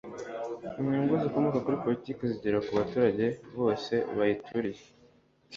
Inyungu zikomoka kuri pariki zigera ku baturage bose bayituriye.